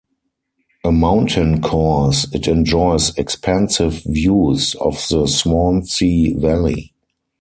A mountain course, it enjoys expansive views of the Swansea Valley.